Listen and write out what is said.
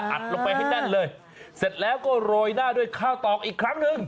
ลงไปให้แน่นเลยเสร็จแล้วก็โรยหน้าด้วยข้าวตอกอีกครั้งหนึ่ง